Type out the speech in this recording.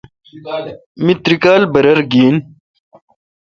می تری کالہ برر گھن۔